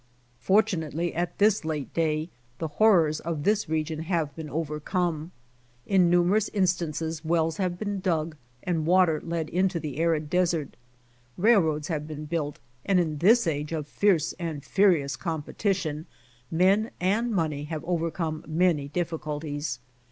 Fortunately at this late day the horrors of this region have been overcome. In numerous instances wells have been dug and water led into the arid GRAVES ON THE DESERT 115 desert. Railroads have been built, and in this age of fierce and furious competition men and money have overcome many difficulties.